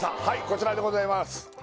はいこちらでございます